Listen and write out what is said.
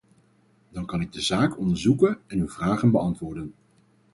Dan kan ik de zaak onderzoeken en uw vragen beantwoorden.